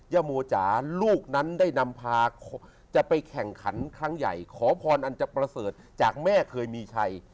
โมจ๋าลูกนั้นได้นำพาจะไปแข่งขันครั้งใหญ่ขอพรอันจะประเสริฐจากแม่เคยมีชัย